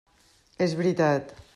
És veritat.